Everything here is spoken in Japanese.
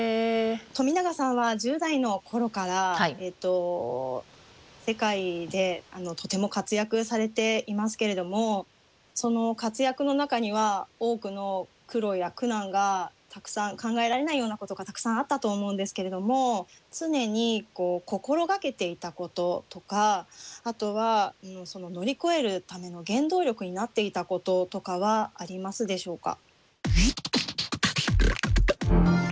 冨永さんは１０代の頃から世界でとても活躍されていますけれどもその活躍の中には多くの苦労や苦難がたくさん考えられないようなことがたくさんあったと思うんですけれども常に心がけていたこととかあとは乗り越えるための原動力になっていたこととかはありますでしょうか？